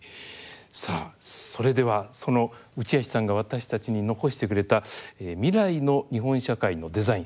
さあそれではその内橋さんが私たちに残してくれた未来の日本社会のデザイン。